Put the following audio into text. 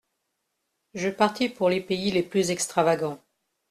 Je partis pour les pays les plus extravagants.